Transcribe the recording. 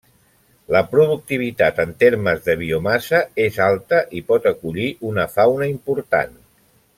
La productivitat en termes de biomassa és alta i pot acollir una fauna important.